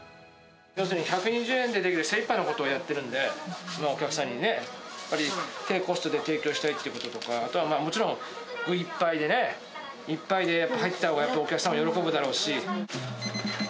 要するに、１２０円でできる精いっぱいのことをやってるんで、お客さんにね、やっぱり低コストで提供したいってこととか、あとはまあ、もちろん具いっぱいでね、いっぱいで入ってたほうがやっぱ、お客さんも喜ぶだろうし。